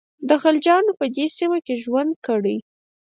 د خلجیانو په دې سیمه کې ژوند کړی.